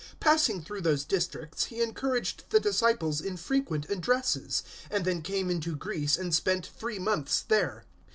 020:002 Passing through those districts he encouraged the disciples in frequent addresses, and then came into Greece, and spent three months there.